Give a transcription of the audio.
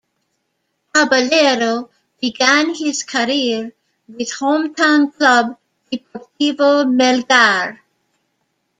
Caballero began his career with hometown club Deportivo Melgar.